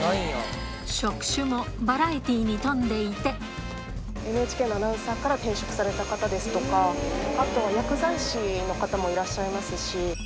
職種もバラエティーに富んでＮＨＫのアナウンサーから転職された方ですとか、あとは薬剤師の方もいらっしゃいますし。